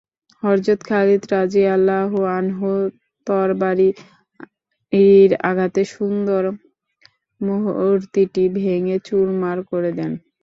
হযরত Khalid রাযিয়াল্লাহু আনহু তরবারির আঘাতে সুন্দর মূর্তিটি ভেঙ্গে চুরমার করে দেন।